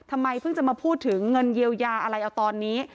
ทำไมเพิ่งจะมาพูดถึงเงินเยียวยาอะไรเอาตอนนี้